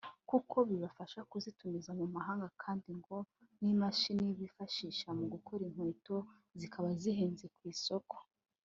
kuko bibasaba kuzitumiza mu mahanga kandi ngo n'imashini bifashisha mu gukora inkweto zikaba zihenze ku isoko